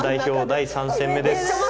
第３戦目です。